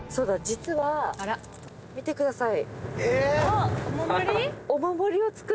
実は見てください。